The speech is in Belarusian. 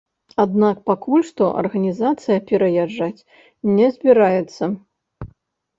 Аднак пакуль што арганізацыя пераязджаць не збіраецца.